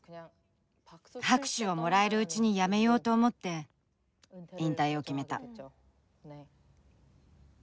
拍手をもらえるうちにやめようと思って引退を決めた。